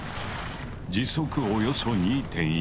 時速およそ２．１ｋｍ。